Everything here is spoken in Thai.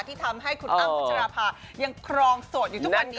ที่ทำให้คุณอ้ำพัชราภายังครองโสดอยู่ทุกวันนี้